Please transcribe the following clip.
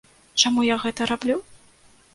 Чаму я гэта раблю?